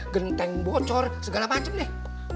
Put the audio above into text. genteng bocor segala macam deh